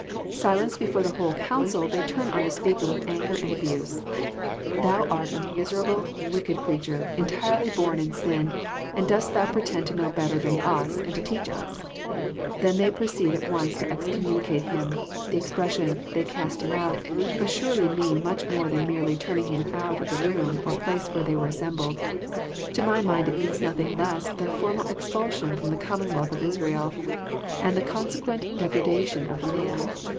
Silenced before the whole council they turn on the speaker with anger and abuse. *< Thou art a miserable, wicked creature, entirely bom in sin, and dost thou pretend to know better than us, and to teach us?" They then proceeded at once to excommunicate him. The expression, <* they cast him out," must surely mean much more than merely turning him out of the room or place where they were assembled. To my mind it means nothing less than a formal expulsion from the commonwealth of Israel, and the consequent degradation of the man.